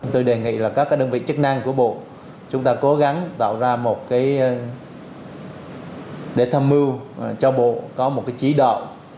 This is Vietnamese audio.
tôi đề nghị là các đơn vị chức năng của bộ chúng ta cố gắng tạo ra một cái để tham mưu cho bộ có một cái chỉ đạo